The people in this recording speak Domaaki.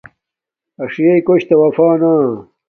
اسݵئ کݸشتݳ وفݳ نݳ